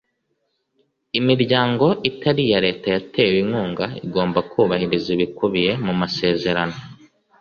Imiryango itari iya Leta yatewe inkunga igomba kubahiriza ibikubiye mu masezerano